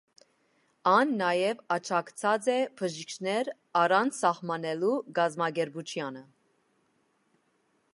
Ան նաեւ աջակցած է բժիշկներ առանց սահմաններու կազմակերպութեանը։